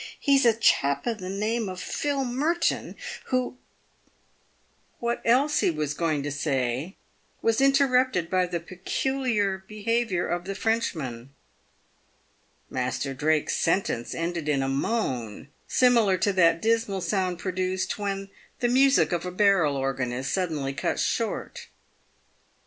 He's a chap of the name of Phil Merton, who " What else he was going to say was interrupted by the peculiar behaviour of the Frenchman. Master Drake's sentence ended in a moan similar to that dismal sound produced when the music of a barrel organ is suddenly cut short.